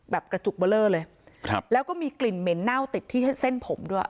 กระจุกเบอร์เลอร์เลยครับแล้วก็มีกลิ่นเหม็นเน่าติดที่เส้นผมด้วย